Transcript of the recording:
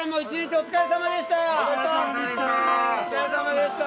お疲れさまでした。